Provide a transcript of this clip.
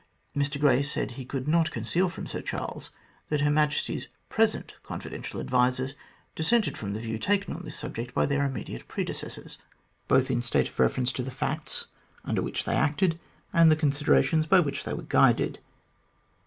Earl Grey said he could not conceal from Sir Charles that Her Majesty's present confidential advisers dissented from the view taken of this subject by their immediate predecessors, both in reference to the state of facts under which they acted, and the considerations by which they were guided.